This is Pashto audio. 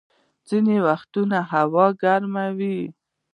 ځيني وخت هوا ګرمه وي.